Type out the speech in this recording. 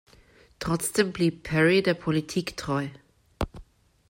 Trotzdem blieb Perry der Politik treu.